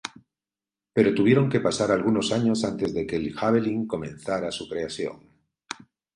Pero tuvieron que pasar algunos años antes de que el Javelin comenzara su creación.